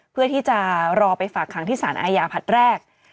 เพื่อที่จะรอไปฝากขังที่สารอาญาผลัดแรก